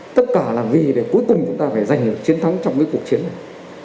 tất cả làm vì để cuối cùng chúng ta phải giành được chiến thắng trong cái cuộc chiến này